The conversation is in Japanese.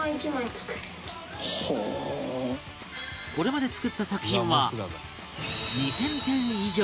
これまで作った作品は２０００点以上